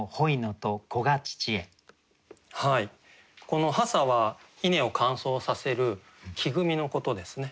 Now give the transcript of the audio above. この「稲架」は稲を乾燥させる木組みのことですね。